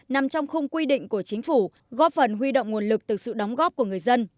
nằm trong khung quy định của chính phủ góp phần huy động nguồn lực từ sự đóng góp của người dân